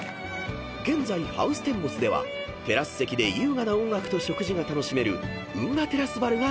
［現在ハウステンボスではテラス席で優雅な音楽と食事が楽しめる運河テラスバルが開催中］